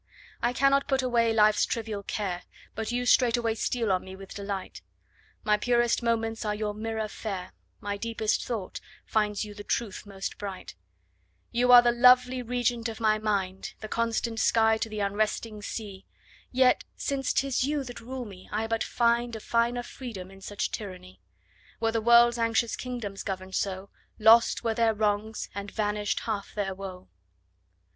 I cannot put away life's trivial care, But you straightway steal on me with delight: My purest moments are your mirror fair; My deepest thought finds you the truth most bright You are the lovely regent of my mind, The constant sky to the unresting sea; Yet, since 'tis you that rule me, I but find A finer freedom in such tyranny. Were the world's anxious kingdoms govern'd so, Lost were their wrongs, and vanish'd half their woe!